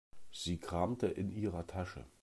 Sie kramte in ihrer Tasche.